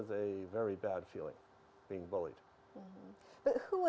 dan kemudian kamu mengatakan bahwa